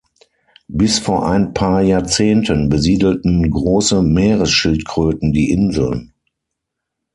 Bis von ein paar Jahrzehnten besiedelten große Meeresschildkröten die Inseln.